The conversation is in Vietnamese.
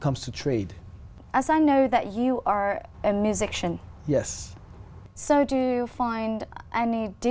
mà bạn sẽ đi